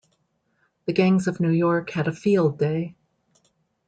The gangs of New York had a field day.